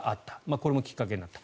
これもきっかけになった。